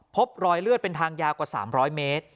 พบรอยเลือดเป็นทางยาวกว่า๓๐๐เมตร